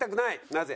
なぜ？